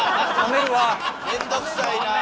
面倒くさいなあ。